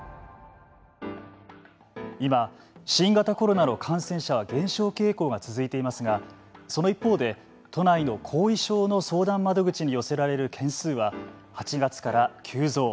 今、新型コロナの感染者は減少傾向が続いていますがその一方で、都内の後遺症の相談窓口に寄せられる件数は８月から急増。